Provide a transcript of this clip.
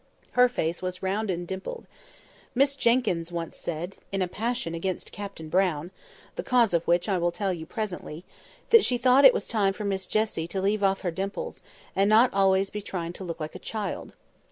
Her face was round and dimpled. Miss Jenkyns once said, in a passion against Captain Brown (the cause of which I will tell you presently), "that she thought it was time for Miss Jessie to leave off her dimples, and not always to be trying to look like a child."